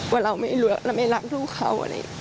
ว่าเราไม่รู้แล้วเราไม่รักลูกเค้า